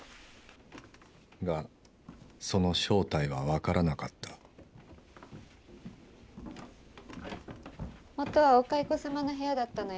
がその正体は分からなかった元はお蚕様の部屋だったのよ。